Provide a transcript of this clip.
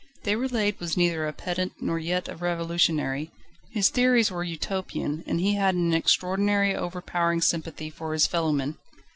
Déroulède was neither a pedant nor yet a revolutionary: his theories were Utopian and he had an extraordinary overpowering sympathy for his fellow men.